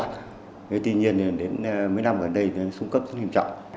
thế tuy nhiên đến mấy năm gần đây xuống cấp rất hiểm trọng